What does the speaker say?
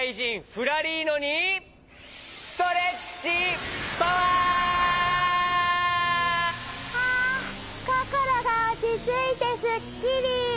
フラリーノにストレッチパワー！はあこころがおちついてスッキリ！